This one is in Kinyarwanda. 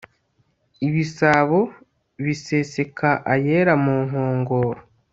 ibisabo biseseka ayera mu nkongoro